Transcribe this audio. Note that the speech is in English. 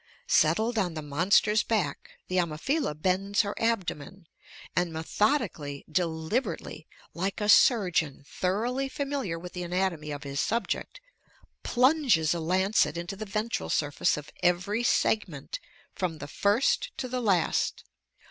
Settled on the monster's back, the Ammophila bends her abdomen, and, methodically, deliberately like a surgeon thoroughly familiar with the anatomy of his subject plunges a lancet into the ventral surface of every segment, from the first to the last.